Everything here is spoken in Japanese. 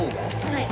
はい。